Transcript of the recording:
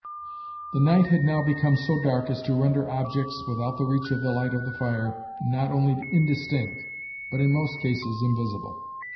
The night had now become so dark as to render objects, without the reach of the light of the fire, not only indistinct, but in most cases invisible.